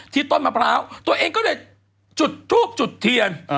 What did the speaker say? ต้นมะพร้าวตัวเองก็เลยจุดทูบจุดเทียน